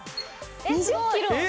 ２０キロ。